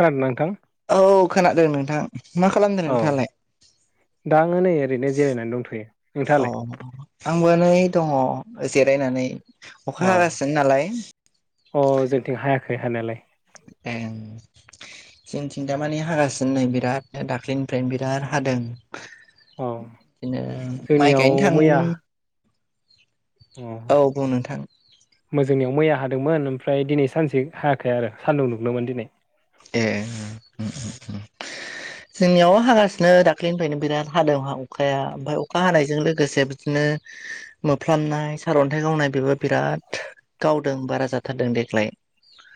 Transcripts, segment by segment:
खोनादोंना नोंथां। औ खोनादों नोंथां। मा खालामदों औ नोंथाङालाय दा आङो नै ओरैनो जिरायनानै दंथ'यो अ नोंथाङालाय? आंबो नै दङ जिरायनानै अखा अ हागासिनो नालाय। अ जोंथिं हायाखै हानायालाय। ऐ जोंनिथिं दा मानि हागासिनो नै बिराद दाख्लिनिफ्रायनो बिराद हादों। अ बिदिनो माइ जोंनियाव गायनो थां मैया अ औ बुं नोंथां होनबा जोंनियाव मैया हादोंमोन ओमफ्राय दिनै सानसे हायाखै आरो सानदुं दुंदोंमोन दिनै ए जोंनियाव हागासिनो दाख्ललिनिफ्रायनो बिराद हादों अखाया ओमफ्राय अखा हानायजों लोगोसे बिदिनो मोफ्लामनाय सारअन्थाइ गावनाय बेबो बिराद गावदों बारा जाथारदों देग्लाय।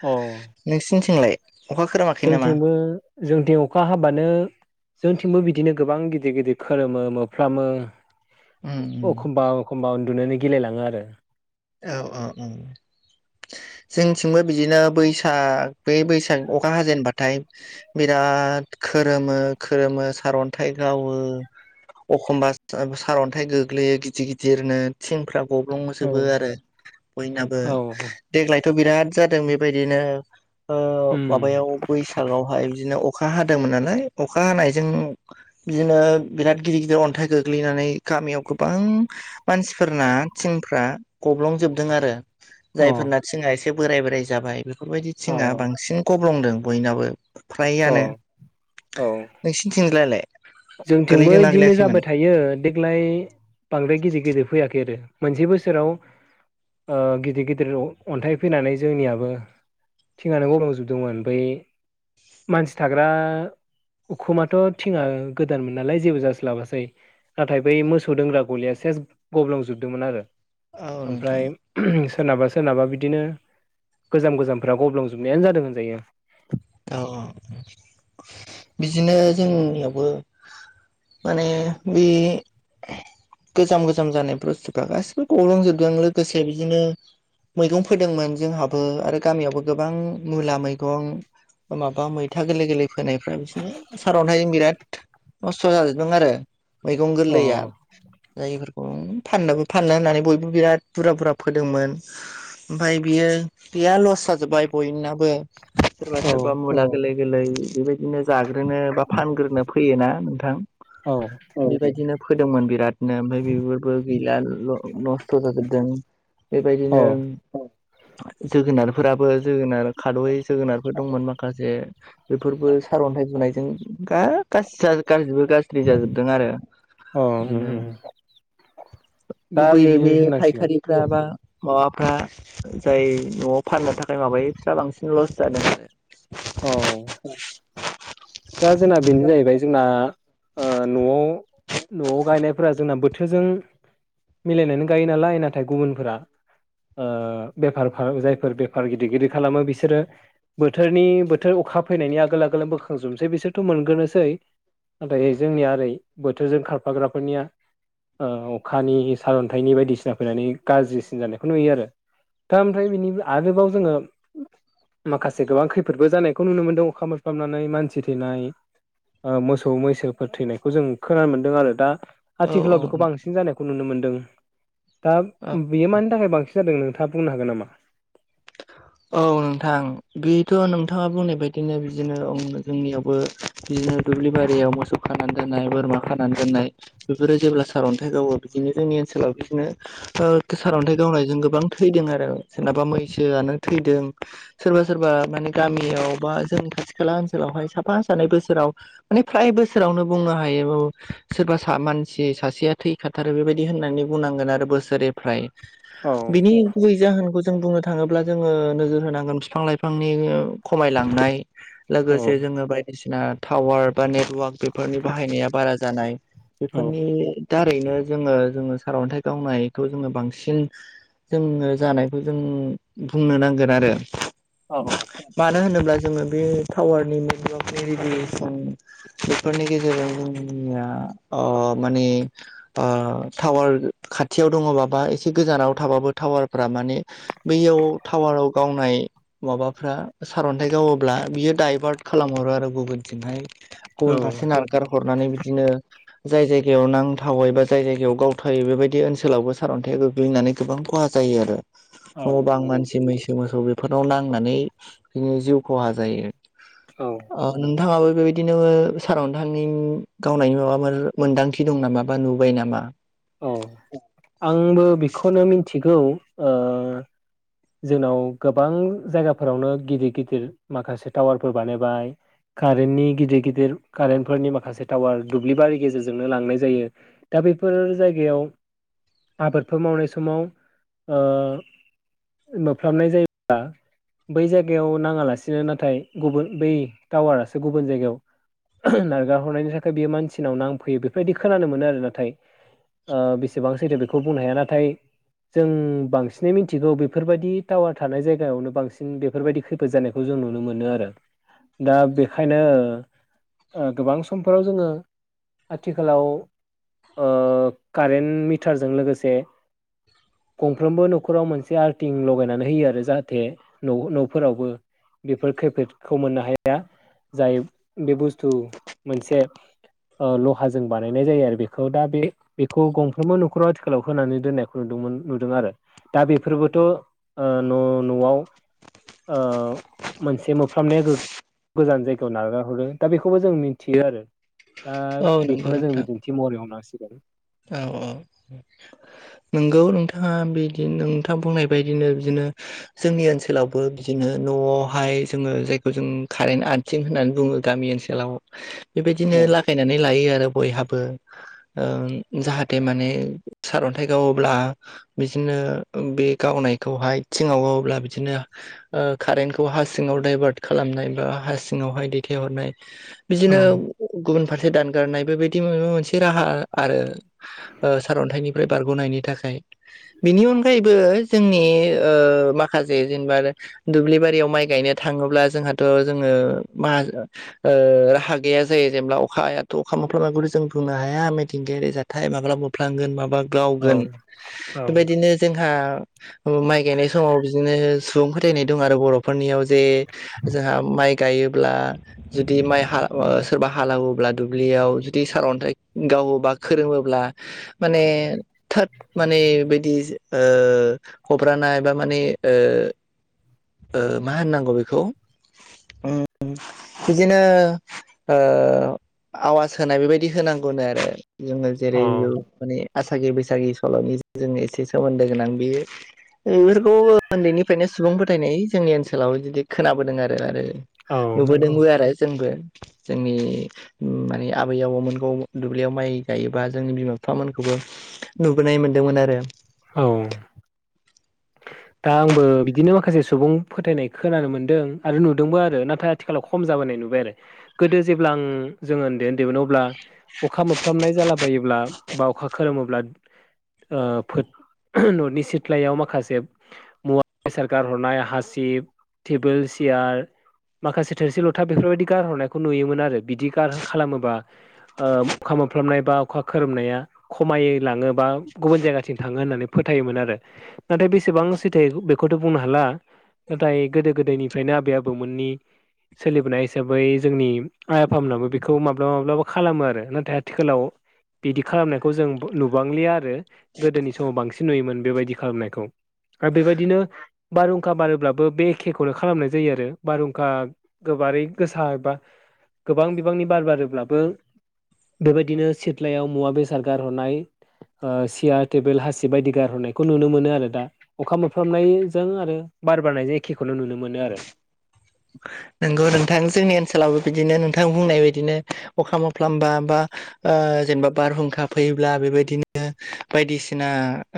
अ नोंसोरनिथिंलाय? जोंनिथिंबो जोंनिथिं अखा हाबानो जोंनिथिंबो बिदिनो गोबां गिदिर गिदिर खोरोमो मोफ्लामो। उम उम एखमबा एखमबा उन्दुनोनो गिलायलाङो आरो। औ औ औ जोंनिथिंबो बिदिनो बैसाग बे बैसाग अखा हाजेनबाथाय बिराद खोरोमो खोरोमो सारन्थाय गावो। एखमबा सारअन्थाइ गोग्लैयो गिदिर गिदिरनो थिंफ्रा गब्लंओ। औ बो आरो बयनाबो। औ देग्लायथ' बिराद जादों बेबायदिनो ओ उम माबायाव बैसागआवहाय बिदिनो अखा हादोंमोन नालाय अखा हानायजों बिदिनो बिराद गिदिर गिदिर अन्थाइ गोग्लैनानै गामियाव गोबां मानसिफोरना थिंफ्रा गब्लंजोबदों आरो अ जायफोरना औ थिंआ एसे बोराय बोराइ जाबाय बेफोरबायदि थिंआ औ बांसिन गब्लंदों बयनाबो फ्रायानो औ औ नोंसिनिथिंजायलाय जोंथिंबो इदिनो जाबाय थायो। देग्लाय बांद्राय गिदिर गिदिर फैयाखै आरो मोनसे बोसोराव ओ गिदिर गिदिर अन्थाइ फैनानै जोंनियाबो थिंआनो गाबलंजोबदोंमोन ओमफ्राय मानसि थाग्रा उखुमाथ' थिङा गोदान मोन नालाय जेबो जास्लाबासै। नाथाय बै मोसौ दोनग्रा गलिया सेस गब्लंजोबदोंमोन आरो औ नोंथां ओमफ्राय सोरनाबा सोरनाबा बिदिनो गोजाम गोजामफोरा गब्लंजोबनायानो जादों होनजायो। औ औ बिदिनो जोंनियावबो माने बै गोजाम गोजाम जानाय बुस्थुफोरा गासैबो गाब्लंजोबदों लोगोसे बिदिनो मैगं फोदोंमोन जोंहाबो आरो गामियावबो गोबां मुला मैगं माबा मैथा गोरलै गोरलै फोनायफ्रा बिदिनो सारन्थाइजों बिराद नस्थ' जाजोबदों आरो। मैगं अ गोरलैया। दा इफोरखौनो फाननोबो फाननो होननानै बयबो बिराद बुरजा बुरजा फोदोंमोन। ओमफ्राय बियो गैया लस जाजोब्बाय बयनाबो। सोरबा औ सोरबा मुला गोरलै गोरलै बेबायदिनो जाग्रोनो बा फानग्रोनो फैयोना नोंथां। औ। बेबायदिनो फोदोंमोन बिराद। ओमफ्राय बेफोरबो गैला नस्थ' जाजोबदों अ बेबायदिनो। जोगोनारफोराबो जोगोनार खार'यै जोगोनार दंमोन माखासे बेफोरबो सारअन्थाइ बुनायजों गा गासैबो खाथ्सि जाजोबदों आरो उम बिदिनो उम दा गुबुब बे बिदिनो होननांसिगोन फायखारि बा माबाफ्रा जाय न'आव फाननो थाखाय माबायो बेफ्रा बांसिन लस जादों। औ। दा जोंना बेनो जाहैबाय जोंना न'आव। न'आव गायनायफोरा जोंना बोथोरजों मिलायनानै गायो नालाय नाथाय गुबुनफोरा। बेफार जायफोर बेफार गिदिर गिदिर खालामो बिसोरो बोथोरनि बोथोर अखा फैनायनि आगोल आगोल [unintelligible] जुमसै बिसोरथ' मोनगोरनोसै नाथाय जोंनिया ओरै बोथोरजों खारफाग्राफोरनिया अखानि सारन्थाइनि बायदिसिना फैनानै गाज्रिसिन जानायखौ नुयो आरो। दा ओमफ्राय बिनि आरोबाव जोङो माखासे गोबां खैफोदबो जानायखौ नुनो मोन्दों अखा मोफालानानै मानसि मानसि थैनाय मोसौ मैसोफोर थैनायखौ जों खोनानो मोनदों आरो दा औ आथिखालाव बेखौ औ बांसिन जानायखौ नुनो मोनदों दा औ बेयो मानि थाखाय बांसिन जादों नों थाबा बुंनो हागोन नामा? औ नोंथां बेथ' नोंथाङा बुंनाय बायदिनो बिदिनो जोंनियावबो बिदिनो दुब्लि बारियाव मोसौ खानानै दोननाय बोरमा खानानै दोननाय बेफोरो जेब्ला सारअन्थाइ गावो बिदिनो जोंनि ओनसोलाव बिदिनो सारअन्थाइ गावनायजों गोबां थैदों आरो सोरनाबा मैसोआनो थैदों। सोरबा सोरबा माने गामियाव बा जोंनि खाथि खाला ओनसोलावहाय साफा सानै बोसोराव माने फ्राय बोसोरावनो बुंनो हायो सोरबा मानसि सासेया थै खाथारो बेबायदि होननानै बुंनांगोन आरो बोसोरनिफ्राय औ बिनि गुबै जाहोनखौ जों बुंनो थाङोब्ला जोङो नोजोर होनांगोन बिफां लाइफांनि खमायलांनाय। लोगोसे औ जोङो बायदिसिना टावार बा नेट वाक बेफोरनि बाहायनाया बारा जानाय बेफोरनि दारैनो जोङो जोङो सारअन्थाइ गावनायखौ जोङो बांसिन जोङो जानायखौ जों बुंनो नांगोन आरो। औ। मानो होनोब्ला जोङो बे टावारनि मेगानि रेडियेसन बेफोरनि गेजेरजों जोंया माने टावार खाथियाव दङबा एसे गोजानाव थाबाबो टावारफोरा माने बैयाव टावाराव गावनाय माबाफ्रा सारन्थाइ गावोब्ला बियो दाइभार्ट खालामहरो आरो गुबुनथिंहाय औ गुबुन फारसे नारगार हरनानै बिदिनो जाय जायगायाव नांथावै बा जाय जायगायाव गावथावै बेबायदि ओनसोलावबो सारअन्थाइया गोग्लैयो होननानै गोबां खहा जायो। जायो आरो औ न बां नंगौ मानसि मैसो मोसौ बेफोरनाव नांनानै बिनो जिउ खहा जायो। औ नोंथांङाबो बेबायदिनो सारअन्थायनि नोंथांनि गावनायनि माबा मोन्दांथि दं नामा बा नुबाय नामा औ आंबो बेखौनो मिथिगौ जोंनाव गोबां जायगाफोरावनो गिदिर गिदिर माखासे टावारफोर बानायबाय कारेन्टनि गिदिर गिदिर कारेन्टफोरनि माखासे टावार दुब्लिबारि गेजेरजोंनो लांनाय जायो। दा बेफोर जायगायाव आबादफोर मावनाय समाव मोफ्र्लाबनाय जायोब्ला बै जायगायाव नाङालासिनो नाथाय गुबुन बै टावारासो गुबुन जायगायाव नारगार हरनायनि थाखाय बेयो मानसिनाव नांफैयो बेफोरबायदि खोनानो मोनो आरो नाथाय बेसेबां सैथो बेखौ बुंनो हाया। नाथाय जों बांसिनै मिथिगौ बेफोरबायदि टावार थानाय जायगायावनो बांसिन बेफोरबायदि खैफोद जानायखौ जों नुनो मोनो आरो दा बेखायनो गोबां समफोराव जोंङो आथिखालाव ओ कारेन्ट मिटारजों लोगोसे गंफ्रोमबो न'खराव मोनसे आर्टिं लगायनानै होयो आरो जाहाथे न'फोरावबो बेफोर खैफोदखौ मोननो हाया जाय बे बुस्थु मोनसे लहाजों बानायनाय जायो आरो बेखौ दा बे बेखौ गंफ्रोमबो न'खराव आथिखालाव होनानै दोननायखौ नुदोंमोन नुदों आरो दा बेफोरबोथ न' न'आव मोनसे मोफ्लामनाया गोजान जायगायाव नागारहरो दा बेखौबो जों मिथियो आरो दा औ नंगौ बेखौनो जों नोंथां बिदि नथि महरै हमनांसिगोन औ औ नोंगौ नोंथांङा बिदि नोंथांङा बुंनाय बायदिनो बिदिनो जोंनि ओनसोलावबो बिदिनो न'आवहाय जोंङो जायखौ जों कारेन्ट आरथिं होननानै बुंङो गामि ओनसोलाव [inaudible] बेबायदिनो औ लागायनानै लायो आरो बयहाबो जाहाथे माने सारअन्थाइ गावोब्ला बिदिनो बे गावनायखौहाय थिंङाव गावोब्ला बिदिनो कारेन्टखौ हा सिङाव दाइभार्ट खालामनाय बा हा सिङावहाय दैथायहरनाय औ बिदिनो गुबुन फारसे दानगारनाय बेबायदि माबा मोनसे राहा आरो सारन्थाइनिफ्राय बारगनायनि थाखाय बिनि अनगायैबो जोंनि माखासे जेनेबा आरो दुब्लि बारियाव माइ गायनो थांङोब्ला जोंहाथ जोंङो मा राहा गैया जायो जेनेब्ला अख हायाथ अखा मफ्लाा गि जों बुंनो हाया। मिथिंगायारि जाहा थाय माब्ला बुफ्लांगोन माबा औ गावगोन बेबायदिनो जोंहा माइ गायनाय समाव बिदिनो सुबुं फोथायनाय दं आरो बर'फोरनियाव बे जोंहा माइ गायोब्ला जुदि माइ हा सोरबा हालेवोब्ला दुब्लियाव जुदि सारअन्थाइ गावोबा खोरोङोब्ला माने थोद माने बिदि हब्रानाय बा माने मा होननांगौ बेखौ बिदिनो आवाज होनाय बेबायदि होनांगौनो आरो जोंङो जेरै औ माने आसागि बैसागि सल'नि जोंङो एसे सोमोन्दो गोनां बेयो बेफोरखौ उन्दैनिफ्रायनो सुबुं फोथायनाय जोंनि ओनसोलाव बिदि खोनाबोदों आरो आरो औ नंगौ नुबोदोंबो आरो जोंबो। जोंनि माने आबै आबौमोनखौ दुब्लियाव माइ गायोबा जोंनि बिमा बिफामोनखौबो नुबोनाय मोनदोंमोन आरो। औ दा आंबो बिदिनो माखासे सुबुं फोथायनाय खोनानो मोनदों आरो नुदोंबो आरो नाथाय आथिखालाव खम जाबोनाय नुबाय आरो। गोदो जेब्ला आं जों ओन्दै ओन्दैमोन अब्ला अखा मोनोफ्लाबनाय जालाबायोब्ला बा अखा खोरोमोब्ला ओ फोद न'नि सिथ्लायाव माखासे मुवा बेसाद गारहरनाय हासिब टेबोल सियार माखासे थोरसि लथा बेफोरबायदि गारहरनायखौ नुयोमोन आरो बिदि गार खालामोबा ओ अखा मोनफ्लाबनाय बा अखा खोरोमनाया खमाय लाङो बा गुबुन जायगाथिं थाङो होननानै फोथायोमोन आरो नाथाय बेसेबां सैथो बेखौथ' बुंनो हाला नाथाय गोदो गोदायनिफ्रायनो आबै आबौमोननि सोलिबोनाय हिसाबै जोंनि आइ आफामोनाबो बेखौ माब्लाबा माब्लाबा खालामो आरो नाथाय आथिखालाव बिदि खालामनायखौ जों नुबांलिया आरो गोदोनि समाव बांसिन नुयोमोन बेबायदि खालामनायखौ आरो बेबायदिनो बारहुंखा बारोब्लाबो बे एखेखौनो खालामनाय जायो आरो बारहुंखा गोबारै गोसार एबा गोबां बिबांनि बार बारोब्लाबो बेबायदिनो सेथ्लायाव मुवा बेसाद गारहरनाय ओ सियार टेबोल हासिब बायदि गारहरनायखौ नुनो मोनो आरो दा। अखा मोनफ्लामनायजों आरो बार बारनायजों एखेखौनो नुनो मोनो आरो। नोंगौ नोंथां जोंनि ओनसोलावबो बिदिनो नोंथां बुंनाय बदिनो अखा मोफ्लाम बा बा ओ जेनबा बारहुंखा फैयोब्ला बेबायदिनो बायदिसिना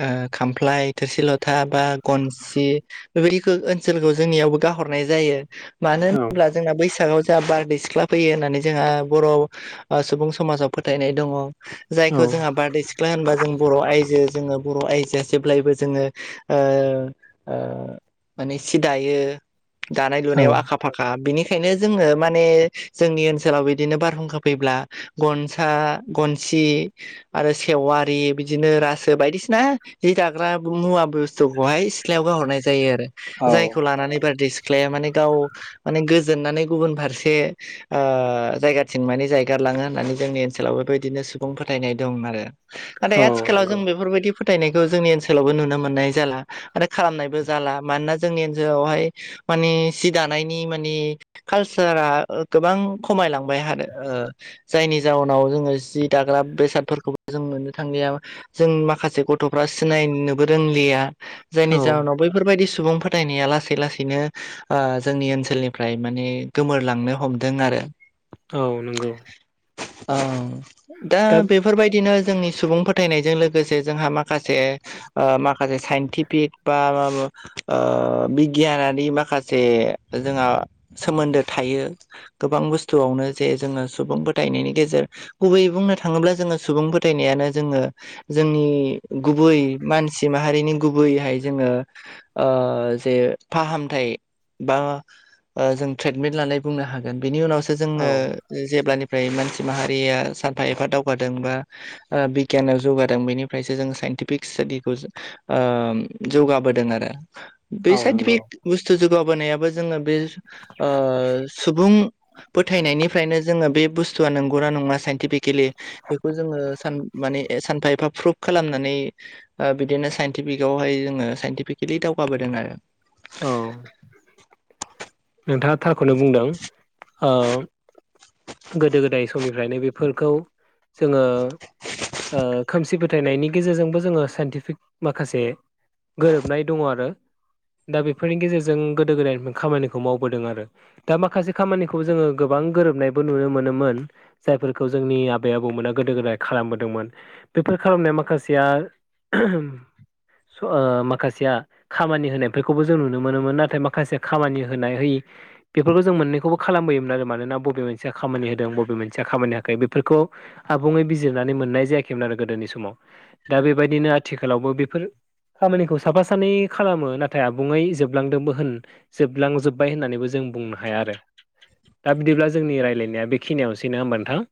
ओ खामफ्लाय थोरसि ल था बा गनसि बेबायदिखो ओनसोलखौ जोंनियावबो गाहरनाय जायो। मानो औ होनोब्ला जोंहा बैसागआव जोहा बारदै सिख्ला फैयो होननानै जोंहा बर' ओ सुबुं समाजाव फोथायनाय दङ औ जायखौ जोङा बारदै सि ख्ला होनबा जों बर' आइजो जोङो बर' आइजोआ जेब्लायबो जोङो ओ ओ माने सि दायो दानाय लुनायाव आ खा फाखा बिनिखायनो जोङो माने जोंनि ओनसोलाव बिदिनो बारहुंखा फैब्ला गनसा गनसि आरो सेवारि बिदिनो रासो बायदिसिना जि दाग्रा मुवाबो बु स्थुखौहाय सिथ्लायाव गाहरनाय जायो आरो औ जायखौ लानानै बारदै सिख्लाया माने गाव माने गोजोननानै गुबुन फारसे ओ जायगाथिं माने जायगार लाङो होननानै जोंनि ओनसोलाव बेबायदिनो सुबुं फोथायनाय दं आरो। नाथाय औ आथिखालाव जों नंगौ बेफोरबायदि फोथायनायखौ जोंनि ओनसोलावबो नुनो मोननाय जाला आरो खालामनायबो जाला मानोना जोंनि ओनसोलावहाय माने सि दानायनि माने कालसारा ओ गोबां खमायलांबाय आरो ओ जायनि जाउनाव जोङो जि दाग्रा बेसादफोरखौबो जों मोननो थांलिया। जों माखासे गथ'फ्रा सिनायनोबो रोंलिया। जायनि औ जाहोनाव बैफोरबायदि सुबुं फोथायनाया लासै लासैनो ओ जोंनि ओनसोलनिफ्राय माने गोमोरलांनो हमदों आरो औ नंगौ औ दा बे फोरबायदिनो जोंनि सुबुं फोथायनायजों लोगोसे जोंहा माखासे ओ माखासे साइन्टिफिक बा माबो ओ बिगियानारि माखा से जोंहा सोमोन्दो थायो। गोबां बुस्थुआवनो जे जोङो सुबुं फोथायनायनि गेजेर गुबैयै बुंनो थाङोब्ला जोङो सुबुं फोथायनायानो जोङो जोंनि गुबै मानसि माहारिनि गुबैहाय ओ जोङो जे फाहामथाय बा जों ट्रिटमेन्ट लानाय बुंनो हागोन बेनि उनावसो औ जोङो जेनेखि ओमफ्राय मानसि माहारिया सानफा एफा दावगादोंबा बिगियाना जौगादों बेनिफ्रायसो जोङो साइन्टिफिक स्टाडिखौ ओ जौगाबोदों आरो। बे औ नंगौ साइटिफिक बुस्थु जौगाबोनायाबो जोङो बेओ सुबुं फोथायनायनिफ्रायनो जोङो बे बुस्थुआ नंगौ ना नङा सो साइनफिकेलि बेखौ जोङो सान माने सानफा एफा प्रुफा खालामनानै बिदिनो साइनटिफिकआवहाय जोङो साइनटिफिकेलि दावगाबोदों आरो। औ। नोंथाङा थारखौनो बुंदों। गोदो गोदाय समनिफ्रायनो बेफोरखौ जोङो खोमसि सि फोथायनायनि गेजेरजोंबो जोङो साइन्टिफिक माखासे ओ गोरोबनाय दङ आरो। दा बेफोरनि गेजेरजों गोदो गोदायनिफ्राय खामानिखौ मावबोदों आरो। दा माखासे खामानिखौ जोङो गोबां गोरोबनायबो नुनो मोनोमोनो। जायफोरखौ जोंनि आबै आबौमोना गोदो गोदाय खालामबोदोंमोन आ बेफोर खालामनाय माखासेआ से ओ माखासेया खामानि होनायै बेखौबो जों नुनो मोनोमोन नाथाय माखासे खामानि होनाय होयिखौ बेफोरखौ जों मोननैखौबो खालामबोयोमोन आरो मानोना बबे मोनसेया खामानि होदों बबे मोनसेया खामानि होयाखै बेफोरखौओ आबुङै बिजिरनानै मोननाय जायाखैमोन आरो गोदोनि समावो दा बेबायदिनो आथिखालावबो बेफोर खामानिखौ साफा सानै खालामो नाथा थाय आबुङै जोबलांदोंबो होन जोबलांजोबबाय होननानैबो जों बुंनो हाया आरो ना दा बिदिब्ला जोंनि रायलायनाया बेखिनियावानोसै नङा होमबा नोंथां।